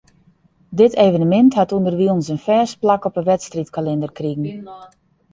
Dit evenemint hat ûnderwilens in fêst plak op 'e wedstriidkalinder krigen.